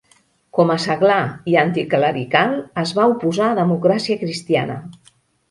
Com a seglar i anticlerical, es va oposar a Democràcia Cristiana.